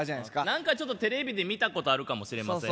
何かちょっとテレビで見たことあるかもしれませんね